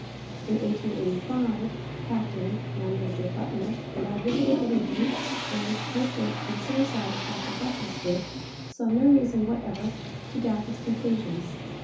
In 1885 Captain (now Major) Button and I visited the region and, approaching it from the same side as Dr Harkness did, saw no reason whatever to doubt his conclusions.